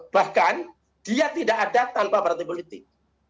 bahkan dia tidak ada tanpa partai politik